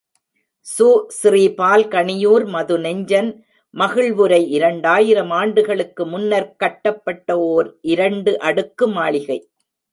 சு.ஸ்ரீபால் கணியூர் மதுநெஞ்சன் மகிழ்வுரை இரண்டாயிரம் ஆண்டுகளுக்கு முன்னர்க் கட்டப்பட்ட ஓர் இரண்டு அடுக்கு மளிகை!